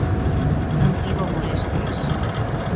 Non tivo molestias.